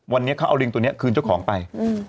วันนี้เขาเอาลิงตัวนี้คืนเจ้าของไป